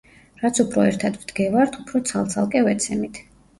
რაც უფრო ერთად ვდგევართ, უფრო ცალ-ცალკე ვეცემით.